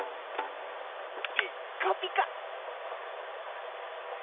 「ピッカピカ」。